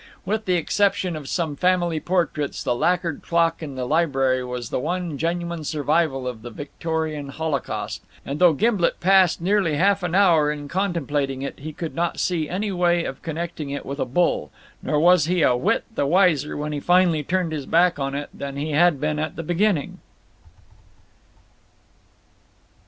With the exception of some family portraits, the lacquered clock in the library was the one genuine survival of the Victorian holocaust, and though Gimblet passed nearly half an hour in contemplating it he could not see any way of connecting it with a bull, nor was he a whit the wiser when he finally turned his back on it than he had been at the beginning.